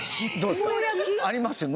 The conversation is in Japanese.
ありますよ。